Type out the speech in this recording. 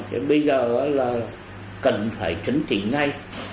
thì bây giờ là cần phải chấn tính ngay